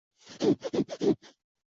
劝他搬到乡下一起住